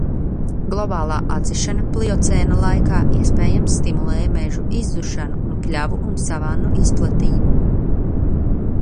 Globālā atdzišana pliocēna laikā, iespējams, stimulēja mežu izzušanu un pļavu un savannu izplatību.